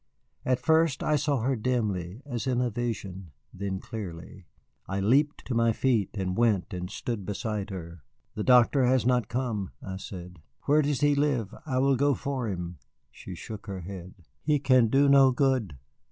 At first I saw her dimly, as in a vision, then clearly. I leaped to my feet and went and stood beside her. "The doctor has not come," I said. "Where does he live? I will go for him." She shook her head. "He can do no good.